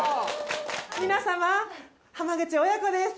皆様浜口親子です。